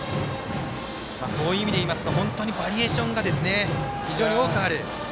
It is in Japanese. そういう意味でいいますとバリエーションが非常に多くある。